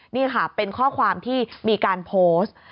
นี่ค่ะเป็นข้อความที่มีการโพสต์